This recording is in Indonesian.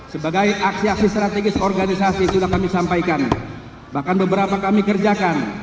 sebagai aksi aksi strategis organisasi sudah kami sampaikan bahkan beberapa kami kerjakan